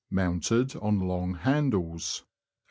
153 mounted on long handles.